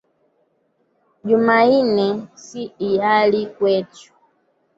Jumainne siiyali kwechu.